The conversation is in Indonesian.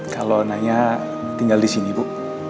kalau naya tinggal disini bu